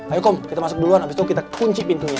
ayo kom kita masuk duluan abis itu kita kunci pintunya